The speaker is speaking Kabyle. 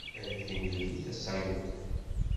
Ar timlilit a Sayoko.